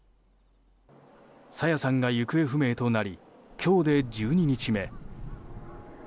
朝芽さんが行方不明となり今日で１２日目。